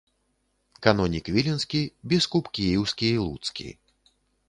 Канонік віленскі, біскуп кіеўскі і луцкі.